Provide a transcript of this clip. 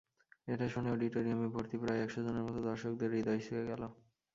এটা শুনে অডিটোরিয়ামে ভর্তি প্রায় একশ জনের মতো দর্শকদের হূদয় ছুঁয়ে গেল।